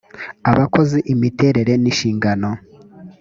abakozi imiterere n inshingano